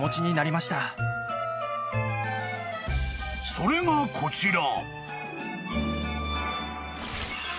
［それがこちら］